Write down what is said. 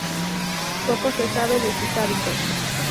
Poco se sabe de sus hábitos.